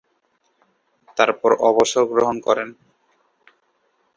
তারপর অবসর গ্রহণ করেন।